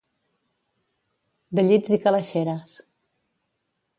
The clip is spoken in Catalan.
De llits i calaixeres.